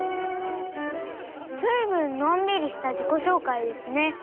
ずいぶんのんびりしたじこしょうかいですね。